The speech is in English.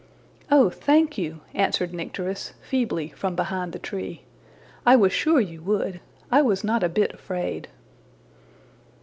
'' ``Oh, thank you!'' answered Nycteris feebly from behind the tree. ``I was sure you would. I was not a bit afraid.''